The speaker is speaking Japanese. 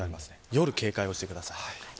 夜に警戒してください。